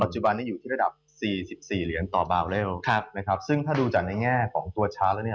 จุบันนี้อยู่ที่ระดับสี่สิบสี่เหรียญต่อบาวเรลนะครับซึ่งถ้าดูจากในแง่ของตัวชาร์จแล้วเนี่ย